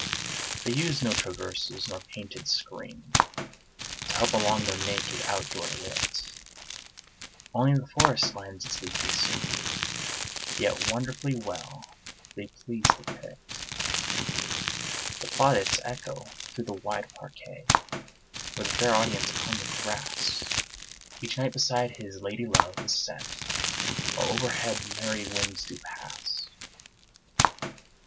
They use no traverses nor painted screen To help along their naked, out door wit: (Only the forest lends its leafy scene) Yet wonderfully well they please the pit. The plaudits echo through the wide parquet Where the fair audience upon the grass, Each knight beside his lady love, is set, While overhead the merry winds do pass.